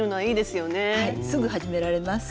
すぐ始められます。